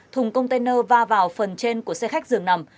thùng container va vào phần trên của xe khách dường nằm